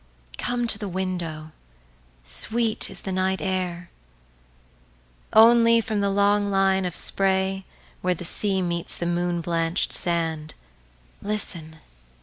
Come to the window, sweet is the night air! Only, from the long line of sprayWhere the sea meets the moon blanch'd sand, Listen!